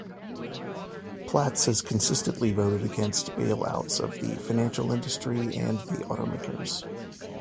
Platts has consistently voted against bail-outs of the financial industry and the automakers.